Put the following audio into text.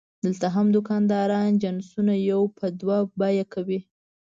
دلته هم دوکانداران جنسونه یو په دوه بیه کوي.